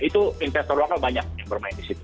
itu investor lokal banyak yang bermain di situ